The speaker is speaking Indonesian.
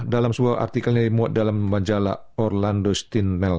dalam sebuah artikel yang dimuat dalam manjala orlando stinnell